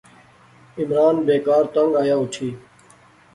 عمران بیکار تنگ آیا اوٹھی